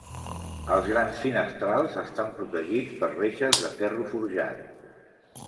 Els grans finestrals estan protegits per reixes de ferro forjat.